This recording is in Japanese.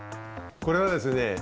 これはですね